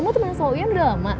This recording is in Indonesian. kamu temen sama uian udah lama